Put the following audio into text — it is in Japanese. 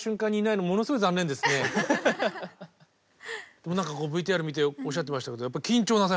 でも何かこうＶＴＲ見ておっしゃってましたけどいや